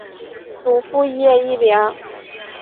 祖父叶益良。